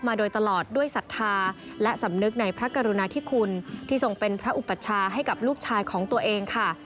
มาโดยตลอดด้วยศรัทธาและสำนึกในพระกรุณาธิคุณที่ทรงเป็นพระอุปัชชาให้กับลูกชายของตัวเองค่ะ